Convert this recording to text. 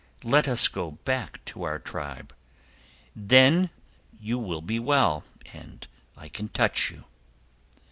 Let us now go back to our tribe. Then you will be well and I can touch you."